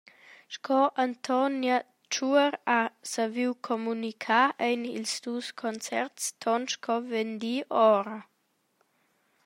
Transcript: Sco Antonia Tschuor ha saviu communicar ein ils dus concerts ton sco vendi ora.